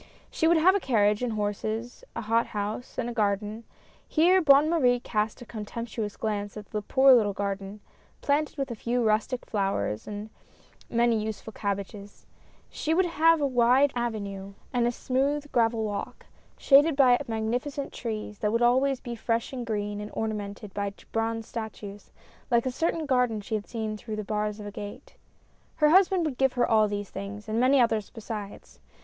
She would have a carriage and horses, a hot house and a garden — here Bonne Marie cast a contemptuous glance at the poor little garden, planted with a few rustic flowers and many useful cabbages — she would have a wide avenue and a smooth gravel walk, shaded by magnificent trees, that would always be fresh and green, and ornamented by bronze statues, like a certain garden she had seen through the bars of a gate. Her husband would give her all these things, and many others besides.